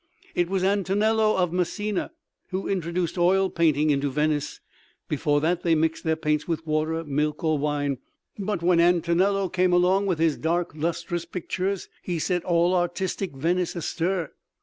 It was Antonello of Messina who introduced oil painting into Venice. Before that they mixed their paints with water, milk or wine. But when Antonello came along with his dark, lustrous pictures, he set all artistic Venice astir.